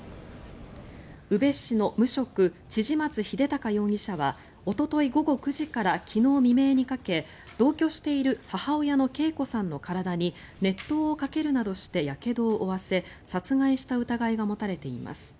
宇部市の無職千々松秀高容疑者はおととい午後９時から昨日未明にかけ同居している母親の桂子さんの体に熱湯をかけるなどしてやけどを負わせ殺害した疑いが持たれています。